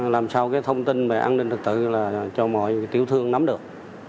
làm sao cái thông tin về an ninh trật tự là cho mọi tiểu thương nắm được